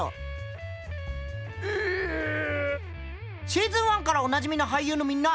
シーズン１からおなじみの俳優のみんな！